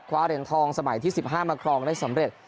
เหรียญทองสมัยที่๑๕มาครองได้สำเร็จ